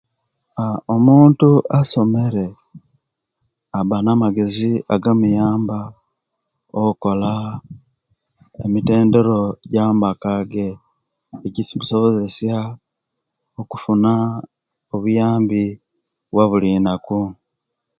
Mountu asomere aba na'magezi agamuyamba okola emitendero jamaka nikimusobozesya okufuna obuyambi bwa'bulinaku